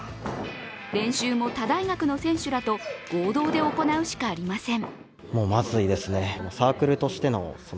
練習も他大学の選手らと合同で行うしかありません。